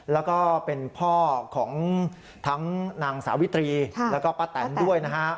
แล้วก็เป็นพ่อของทั้งนางสาวิตรีแล้วก็ป้าแตนด้วยนะฮะ